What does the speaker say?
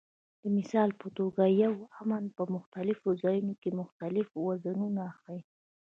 د مثال په توګه یو "امن" په مختلفو ځایونو کې مختلف وزنونه ښيي.